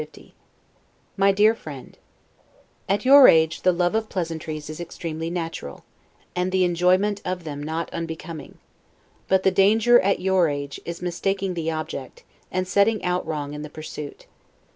1750 MY DEAR FRIEND: At your age the love of pleasures is extremely natural, and the enjoyment of them not unbecoming: but the danger, at your age, is mistaking the object, and setting out wrong in the pursuit.